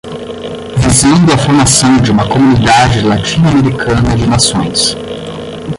visando à formação de uma comunidade latino-americana de nações.